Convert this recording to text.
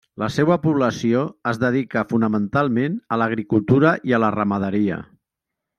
La seua població es dedica fonamentalment a l'agricultura i a la ramaderia.